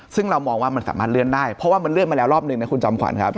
ซึ่งเรามองว่ามันสามารถเลื่อนได้เพราะว่ามันเลื่อนมาแล้วรอบหนึ่งนะคุณจอมขวัญครับ